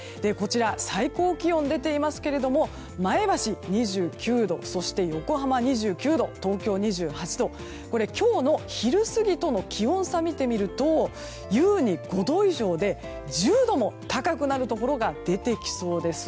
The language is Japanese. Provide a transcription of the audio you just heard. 最高気温が出ていますけども前橋２９度そして横浜２９度、東京２８度今日の昼過ぎとの気温差を見てみると優に５度以上で１０度も高くなるところが出てきそうです。